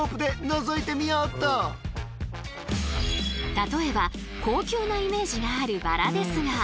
例えば高級なイメージがあるバラですが。